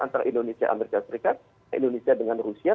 antara indonesia amerika serikat indonesia dengan rusia